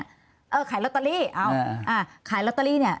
เออขายลอตเตอรี่ขายลอตเตอรี่เนี่ย